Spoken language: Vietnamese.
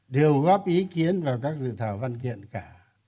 đều góp ý kiến vào các dự thảo văn kiện cả